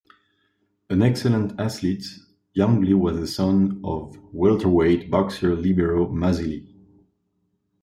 An excellent athlete, young Lee was the son of welterweight boxer Libero Mazzilli.